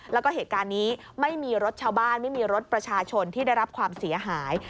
แล้วก็เหตุการณ์นี้ไม่มีรถชาวบ้านไม่มีรถประชาชนที่ได้รับความเสียหาย